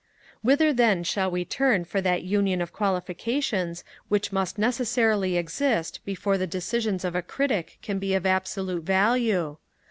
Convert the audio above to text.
Whither then shall we turn for that union of qualifications which must necessarily exist before the decisions of a critic can be of absolute value?